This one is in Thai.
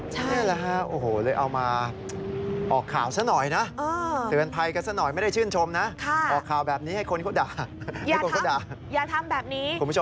ใช่นี่แหละโอ้โฮเลยเอามา